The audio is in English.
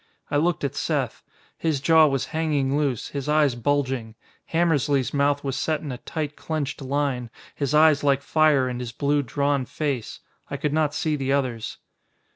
I looked at Seth. His jaw was hanging loose, his eyes bulging. Hammersly's mouth was set in a tight clenched line, his eyes like fire in his blue, drawn face. I could not see the others.